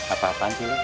apa apaan sih lu